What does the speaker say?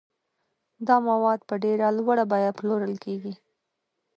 دا مواد په ډېره لوړه بیه پلورل کیږي.